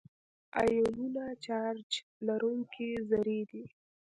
آیونونه چارج لرونکي ذرې دي.